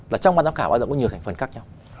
là trong ban giám khảo bao giờ có nhiều thành phần khác nhau